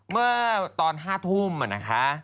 เมื่อตอน๕ทุ่มนะคะ